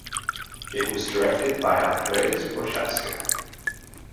It was directed by Andreas Prochaska.